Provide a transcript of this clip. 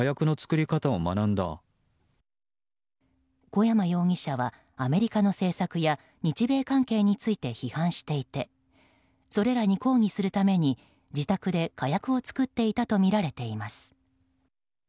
小山容疑者はアメリカの政策や日米関係について批判していてそれらに抗議するために自宅で火薬を作っていたとみられています。